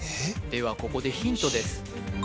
ではここでヒントです